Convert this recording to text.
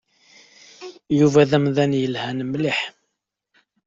Yuba d amdan yelhan mliḥ.